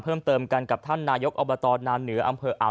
เพิ่มเติมกันกับท่านนายกอบตนาเหนืออำเภออ่าว